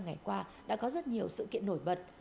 ba trăm sáu mươi năm ngày qua đã có rất nhiều sự kiện nổi bật